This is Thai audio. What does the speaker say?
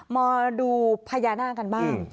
มาดูพญานาคกันบ้าง